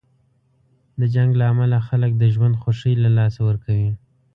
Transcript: د جنګ له امله خلک د ژوند خوښۍ له لاسه ورکوي.